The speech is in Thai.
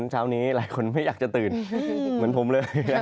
เช้านี้หลายคนไม่อยากจะตื่นเหมือนผมเลย